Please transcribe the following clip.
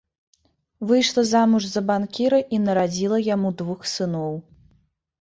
Выйшла замуж за банкіра і нарадзіла яму двух сыноў.